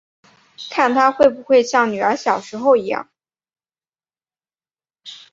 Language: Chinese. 看她会不会像女儿小时候一样